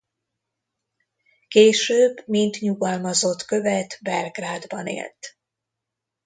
Később mint nyugalmazott követ Belgrádban élt.